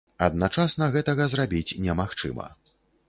Адначасна гэтага зрабіць немагчыма.